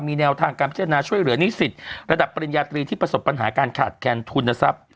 มีแนวทางการพิจารณาช่วยเหลือนิสิตระดับปริญญาตรีที่ประสบปัญหาการขาดแคนทุนทรัพย์